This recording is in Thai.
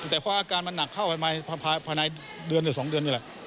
แต่พออาการมันหนักเข้าไปมาภายในเดือนหรือ๒เดือนนี่แหละ